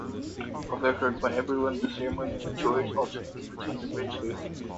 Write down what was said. Although heard by everyone, the ceremony of choirs alternated between the bridge facings.